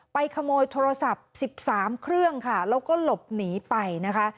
ขโมยโทรศัพท์๑๓เครื่องค่ะแล้วก็หลบหนีไปนะคะ